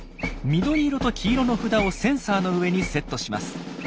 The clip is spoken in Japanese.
緑色と黄色の札をセンサーの上にセットします。